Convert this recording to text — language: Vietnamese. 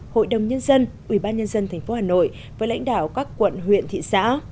hội đồng nhân dân ubnd tp hà nội với lãnh đạo các quận huyện thị xã